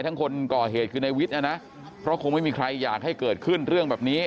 คนก่อเหตุคือในวิทย์นะนะเพราะคงไม่มีใครอยากให้เกิดขึ้นเรื่องแบบนี้